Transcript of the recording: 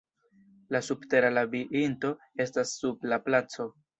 La subtera labirinto estas sub la placo.